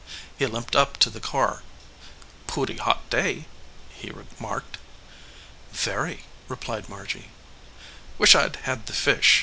He limped up to the car. "Pooty hot day," he remarked. "Very," replied Margy. "Wish I d had the fish.